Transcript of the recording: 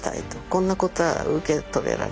こんなことは受け止められ。